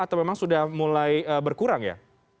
atau memang sudah mulai berkurang ya